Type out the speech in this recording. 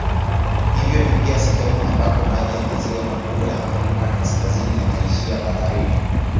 Hivyo ni pia sehemu ambako maji ya maziwa makubwa ya Amerika Kaskazini yanaishia baharini.